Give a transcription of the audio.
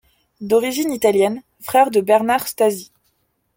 D'origine italienne, frère de Bernard Stasi.